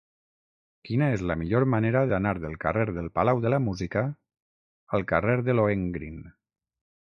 Quina és la millor manera d'anar del carrer del Palau de la Música al carrer de Lohengrin?